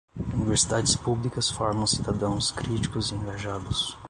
Universidades públicas formam cidadãos críticos e engajados.